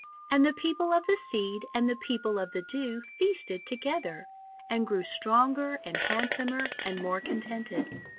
And the People of the Seed and the People of the Dew feasted together, and grew stronger and handsomer and more contented.